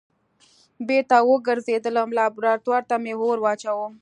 بېرته وګرځېدم لابراتوار ته مې اور واچوه.